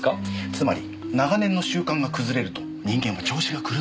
つまり長年の習慣が崩れると人間は調子が狂うものなんです。